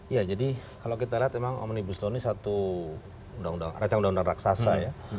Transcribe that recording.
ya jadi kalau kita lihat emang omnibus law ini satu rancang undang undang raksasa ya